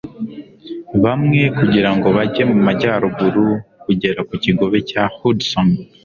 Bamwe kugirango bajye mu majyaruguru kugera ku kigobe cya Hudson